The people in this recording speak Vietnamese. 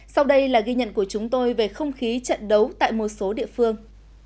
sau đây là ghi nhận của chúng tôi về không khí trận đấu tại một số địa phương